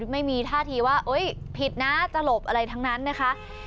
ไม่มีท่าทีว่าผิดนะจะหลบอะไรทั้งนั้นนะคะ